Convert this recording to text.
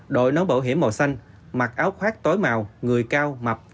đội nón bảo hiểm màu xanh mặc áo khoác tối màu người cao mặt